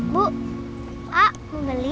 bu pak mau beli